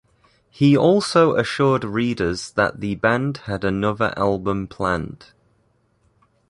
He also assured readers that the band had another album planned.